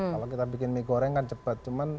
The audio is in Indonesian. kalau kita bikin mie goreng kan cepat cuman